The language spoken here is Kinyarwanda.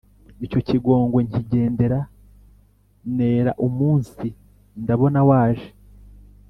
icyo kigongwe Nkigendera nera Umunsi ndabona waje